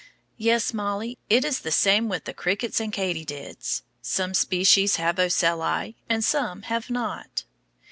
Yes, Mollie, it is the same with the crickets and katydids. Some species have ocelli, and some have not.